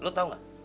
lu tau gak